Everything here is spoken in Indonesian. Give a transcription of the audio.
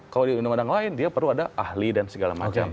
kalau di undang undang lain dia perlu ada ahli dan segala macam